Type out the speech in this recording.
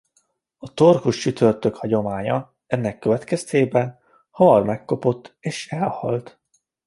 A torkos csütörtök hagyománya ennek következtében hamar megkopott és elhalt.